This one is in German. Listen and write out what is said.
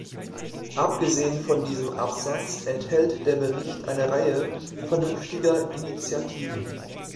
Abgesehen von diesem Absatz enthält der Bericht eine Reihe vernünftiger Initiativen.